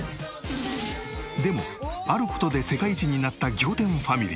でもある事で世界一になった仰天ファミリー。